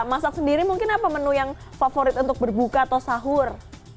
masak sendiri mungkin apa menu yang favorit untuk berbuka atau sahur